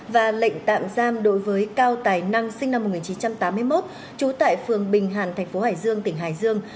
và lệnh tạm giam đối với cao tài năng sinh năm một nghìn chín trăm tám mươi một trú tại phường bình hàn thành phố hải dương tỉnh hải dương